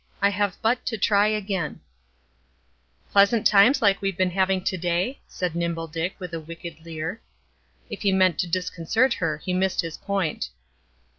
"I HAVE BUT TO TRY AGAIN" "Pleasant times like we've been having to day?" said Nimble Dick, with a wicked leer. If he meant to disconcert her, he missed his point.